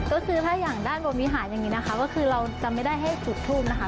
ก็คือถ้าอย่างด้านบนวิหารอย่างนี้นะคะก็คือเราจะไม่ได้ให้จุดทูปนะคะ